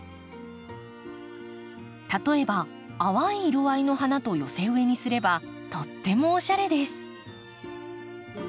例えば淡い色合いの花と寄せ植えにすればとってもおしゃれです。